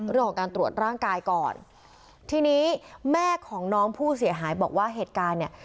เรื่องของการตรวจร่างกายก่อนทีนี้แม่ของน้องผู้เสียหายบอกว่าเหตุการณ์เนี่ย